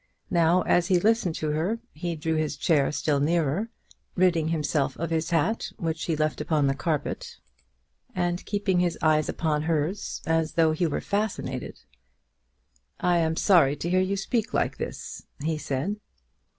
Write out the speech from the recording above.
Now, as he listened to her, he drew his chair still nearer, ridding himself of his hat, which he left upon the carpet, and keeping his eyes upon hers as though he were fascinated. "I am sorry to hear you speak like this," he said.